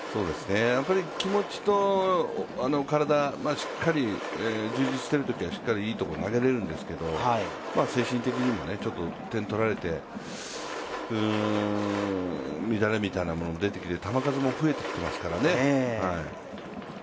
気持ちと体、しっかり充実しているところはしっかりいい所に投げれるんですけど精神的にもちょっと点を取られて、乱れみたいなものが出てきて球数も増えてきていますからね。